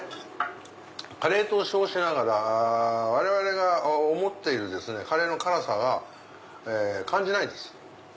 カレーと称しながら我々が思っているカレーの辛さが感じないんです。